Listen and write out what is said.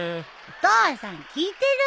お父さん聞いてる？